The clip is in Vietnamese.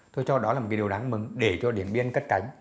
tôi cho đó là một cái điều đáng mừng để cho điện biên cất cánh